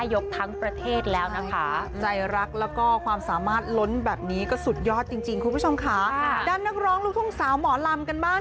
ยกความสามารถล้วนแบบนี้ก็สุดยอดจริงคุณผู้ชมค่ะดำนักร้องลูกทุ่งสาวหมอลำกันบ้าง